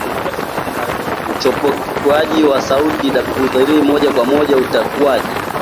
Uchopekwaji wa sauti /w/ huathiri moja kwa moja utamkwaji